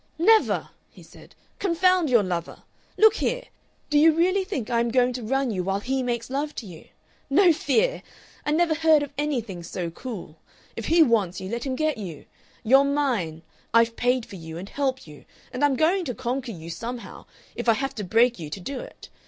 "Never!" he said. "Confound your lover! Look here! Do you really think I am going to run you while he makes love to you? No fear! I never heard of anything so cool. If he wants you, let him get you. You're mine. I've paid for you and helped you, and I'm going to conquer you somehow if I have to break you to do it.